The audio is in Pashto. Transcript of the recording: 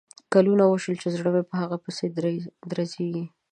کلونه شول چې زړه مې په هغه پسې درزیږي